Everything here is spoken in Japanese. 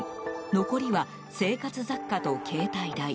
残りは生活雑貨と携帯代。